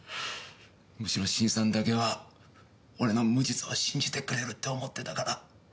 むしろ心さんだけは俺の無実を信じてくれるって思ってたから。